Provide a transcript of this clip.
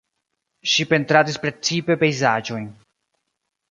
Ŝi pentradis precipe pejzaĝojn.